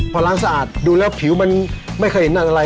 พอล้างสะอาดดูแล้วผิวมันไม่เคยเห็นนั่งอะไร